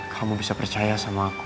kamu bisa percaya sama aku